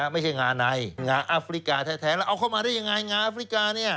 ไม่ใช่งาในงาอัฟริกาแท้แล้วเอาเข้ามาได้ยังไงงาฟริกา